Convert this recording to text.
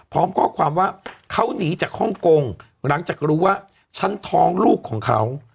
พร้อมข้อความว่าเขาหนีจากฮ่องกงหลังจากรู้ว่าฉันท้องลูกของเขา